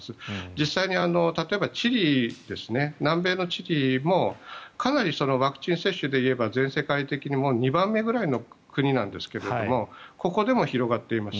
実際に、例えばチリですね南米のチリもかなりワクチン接種でいえば全世界的に２番目ぐらいの国なんですがここでも広がっています。